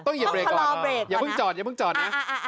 ต้องเหยียบเบรกก่อนนะถลอเบรกก่อนนะเดี่ยวเพิ่งจอดนะ